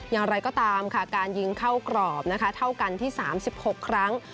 อย่างไรก็ตามค่ะการยิงเข้ากรอบนะคะเท่ากันที่๓๖ครั้ง